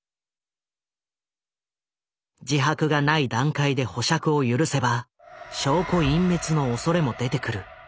自白がない段階で保釈を許せば証拠隠滅のおそれも出てくる。